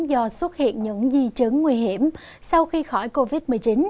do xuất hiện những di chứng nguy hiểm sau khi khỏi covid một mươi chín